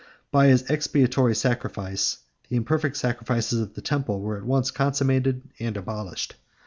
By his expiatory sacrifice, the imperfect sacrifices of the temple were at once consummated and abolished.